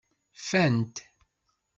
Fant.